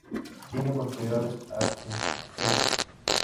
Tiene propiedades astringentes.